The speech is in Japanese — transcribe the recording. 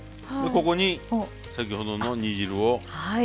ここに先ほどの煮汁を。